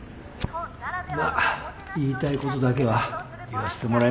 まっ言いたいことだけは言わせてもらいましたよ。